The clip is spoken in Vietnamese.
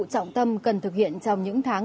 trọng tâm cần thực hiện trong những tháng